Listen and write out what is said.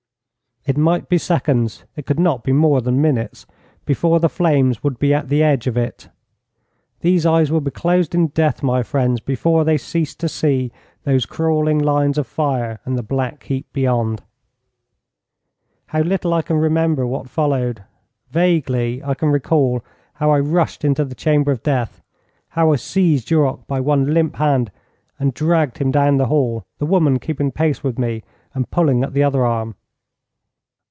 It might be seconds, it could not be more than minutes, before the flames would be at the edge of it. These eyes will be closed in death, my friends, before they cease to see those crawling lines of fire and the black heap beyond. How little I can remember what followed. Vaguely I can recall how I rushed into the chamber of death, how I seized Duroc by one limp hand and dragged him down the hall, the woman keeping pace with me and pulling at the other arm.